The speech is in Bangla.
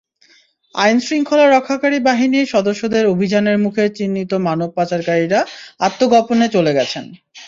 আইনশৃঙ্খলা রক্ষাকারী বাহিনীর সদস্যদের অভিযানের মুখে চিহ্নিত মানব পাচারকারীরা আত্মগোপনে চলে গেছেন।